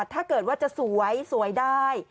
ถ้าเกิดว่าจะสวยสวยได้